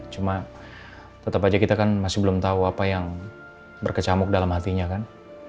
cuma tetap aja kita kan masih belum tahu apa yang berkecamuk dalam hatinya kan